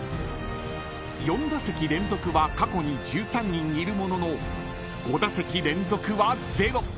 ［４打席連続は過去に１３人いるものの５打席連続はゼロ］